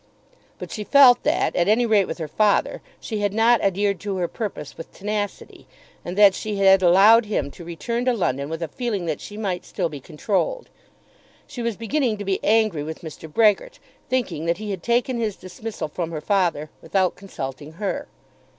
But she felt that, at any rate with her father, she had not adhered to her purpose with tenacity, and that she had allowed him to return to London with a feeling that she might still be controlled. She was beginning to be angry with Mr. Brehgert, thinking that he had taken his dismissal from her father without consulting her.